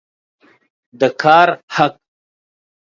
د کار حق